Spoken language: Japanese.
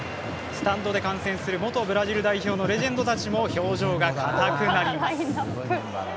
スタンドで観戦する元ブラジル代表のレジェンドたちも表情が硬くなります。